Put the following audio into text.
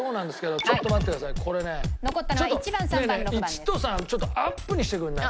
１と３ちょっとアップにしてくれない？